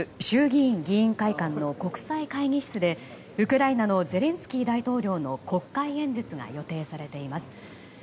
衆議院議員会館の国際会議室でウクライナのゼレンスキー大統領の国会演説が予定されています。